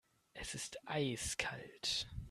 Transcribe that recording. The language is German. Es ist eiskalt.